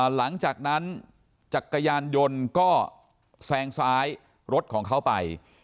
หลังจากนั้นจักรยานยนต์ก็แซงซ้ายรถของเขาไป